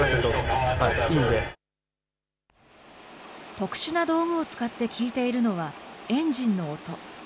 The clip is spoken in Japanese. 特殊な道具を使って聞いているのは、エンジンの音。